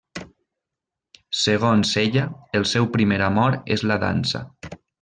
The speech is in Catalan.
Segons ella, el seu primer amor és la dansa.